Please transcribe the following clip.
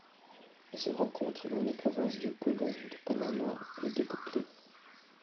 Elle se rencontre dans les provinces de Colón, de Panama et de Coclé.